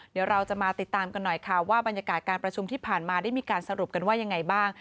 เดี๋ยวเราจะมาติดตามกันหน่อยค่ะว่าบรรยากาศการประชุมที่ผ่านมาได้มีการสรุปกันว่ายังไงบ้าง